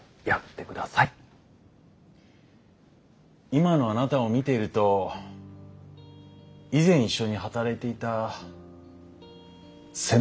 今のあなたを見ていると以前一緒に働いていた先輩を思い出します。